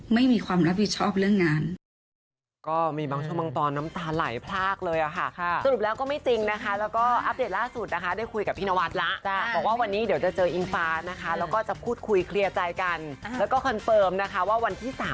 ไม่มีความรับผิดชอบเรื่องงาน